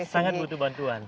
sangat butuh bantuan